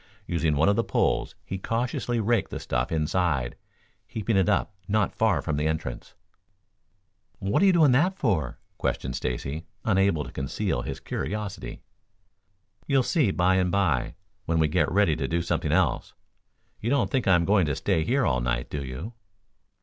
Using one of the poles, he cautiously raked the stuff inside, heaping it up not far from the entrance. "What you doing that for?" questioned Stacy, unable to conceal his curiosity. "You'll see, by and by, when we get ready to do something else. You don't think I'm going to stay here all night, do you?"